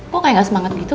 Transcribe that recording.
kok kayak gak semangat gitu